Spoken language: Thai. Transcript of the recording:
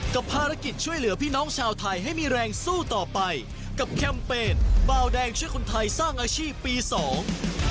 กับภารกิจช่วยเหลือพี่น้องชาวไทยให้มีแรงสู้ต่อไปกับแคมเปญเบาแดงช่วยคนไทยสร้างอาชีพปีสอง